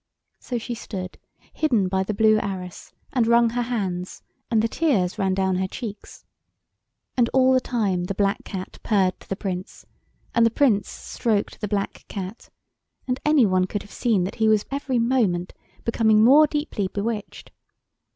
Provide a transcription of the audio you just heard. So she stood, hidden by the blue arras, and wrung her hands, and the tears ran down her cheeks. And all the time the black Cat purred to the Prince, and the Prince stroked the black Cat, and any one could have seen that he was every moment becoming more deeply bewitched.